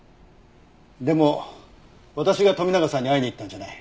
でも私が富永さんに会いに行ったんじゃない。